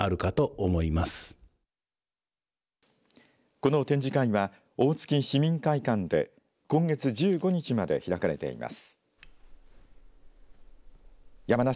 この展示会は大月市民会館で今月１５日まで開かれています。